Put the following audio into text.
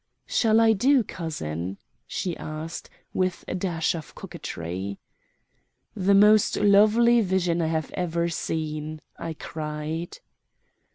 "Shall I do, cousin?" she asked, with a dash of coquetry. "The most lovely vision I have ever seen," I cried.